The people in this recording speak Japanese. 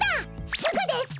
すぐです！